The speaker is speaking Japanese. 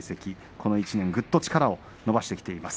この１年ぐっと力を伸ばしてきています。